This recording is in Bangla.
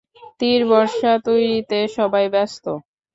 তীর-বর্শা তৈরীতে সবাই ব্যস্ত।